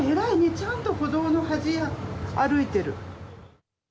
ちゃんと歩道の端歩いてる。